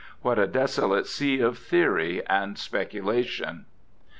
What a desolate sea of theory and speculation